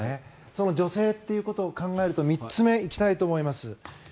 その女性ということを考えると３つ目、行きたいと思います。